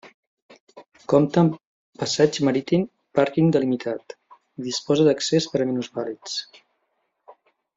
Compta amb passeig marítim i pàrquing delimitat, i disposa d'accés per a minusvàlids.